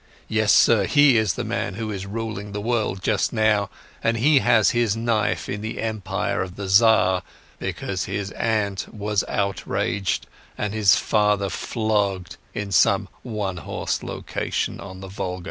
Yes, sir, he is the man who is ruling the world just now, and he has his knife in the Empire of the Tsar, because his aunt was outraged and his father flogged in some one horse location on the Volga."